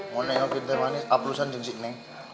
mau nengokin teh manis apelusan jengsik neng